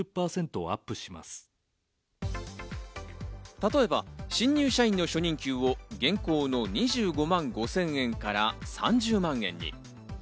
例えば、新入社員の初任給を現行の２５万５０００円から３０万円に。